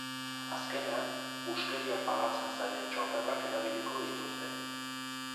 Azkenean, huskeria pagatzen zaien txoferrak erabiliko dituzte.